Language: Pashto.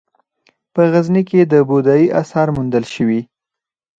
په غزني کې د بودايي اثار موندل شوي